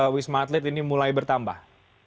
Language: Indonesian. wisma atlet ini mulai bertambah